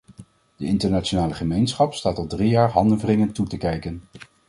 De internationale gemeenschap staat al drie jaar handenwringend toe te kijken.